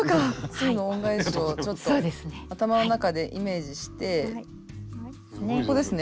「鶴の恩返し」をちょっと頭の中でイメージしてここですね。